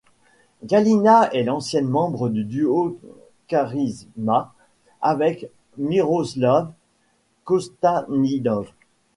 Galina est l'ancienne membre du duo KariZma, avec Miroslav Kostadinov.